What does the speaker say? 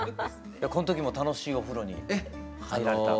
この時も楽しいお風呂に入られた。